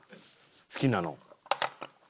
好きなのを。